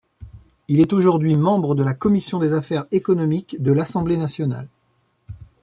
Il est aujourd'hui membre de la Commission des affaires économiques de l'Assemblée nationale.